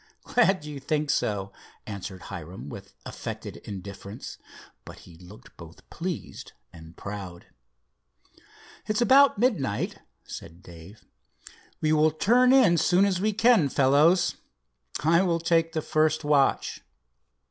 "Glad you think so," answered Hiram, with affected indifference, but he looked both pleased and proud. "It's about midnight," said Dave. "We will turn in soon as we can, fellows. I will take the first watch."